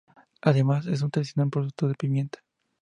Además es un tradicional productor de pimienta.